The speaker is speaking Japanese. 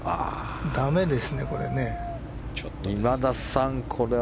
だめですね、これは。